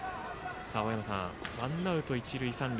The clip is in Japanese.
青山さん、ワンアウト一塁三塁。